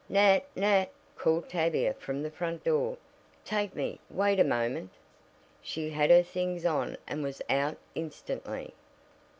"Nat! Nat!" called Tavia from the front door. "Take me! Wait a moment!" She had her things on and was out instantly.